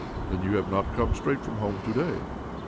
" Then you have not come straight from home to day?